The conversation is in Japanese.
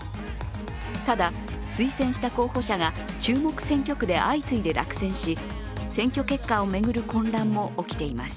ただ、推薦した候補者が注目選挙区で相次いで落選し、選挙結果を巡る混乱も起きています。